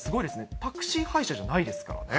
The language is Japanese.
タクシー配車じゃないですからね。